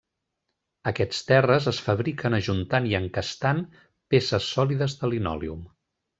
Aquests terres es fabriquen ajuntant i encastant peces sòlides de linòleum.